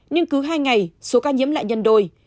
nhưng cứ hai ngày số ca nhiễm lại nhân đôi